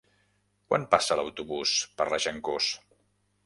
Quan passa l'autobús per Regencós?